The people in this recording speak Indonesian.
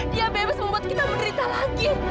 dia bebas membuat kita menderita lagi